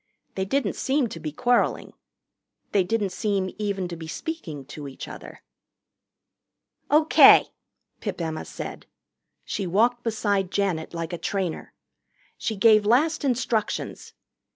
They didn't seem to be quarreling. They didn't seem even to be speaking to each other. "O.K.," Pip Emma said. She walked beside Janet like a trainer. She gave last instructions.